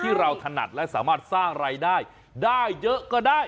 ที่เราถนัดและสามารถสร้างรายได้ได้เยอะก็ได้